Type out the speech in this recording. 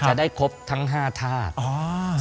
จะได้ครบทั้ง๕ธาตุอ๋อ